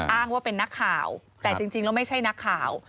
อ้างว่าเป็นนักข่าวแต่จริงแล้วไม่ใช่นักข่าว